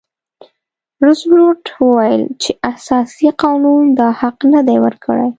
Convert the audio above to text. روزولټ وویل چې اساسي قانون دا حق نه دی ورکړی.